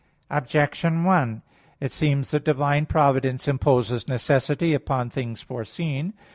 Objection 1: It seems that divine providence imposes necessity upon things foreseen.